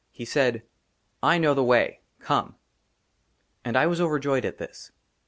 HE SAID, " I KNOW THE WAY, COME." AND I WAS OVERJOYED AT THIS.